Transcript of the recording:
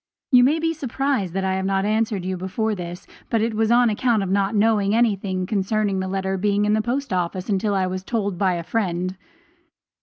You may be surprised that I have not answered you before this, but it was on account of not knowing anything concerning the letter being in the post office until I was told so by a friend.